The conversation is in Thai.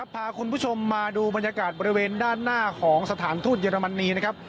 พาคุณผู้ชมมาดูบรรยากาศบริเวณด้านหน้าของสถานทูตเยอรมนีนะครับ